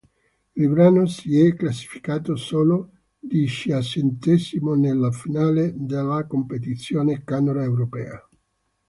Il brano si è classificato solo diciassettesimo nella finale della competizione canora europea.